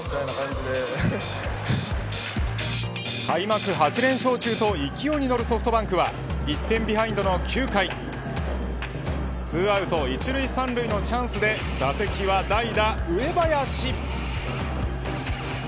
開幕８連勝中と勢いに乗るソフトバンクは１点ビハインドの９回２アウト１塁３塁のチャンスで打席は代打、上林。